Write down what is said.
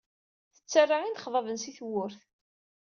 Tettarra inexḍaben si tewwurt.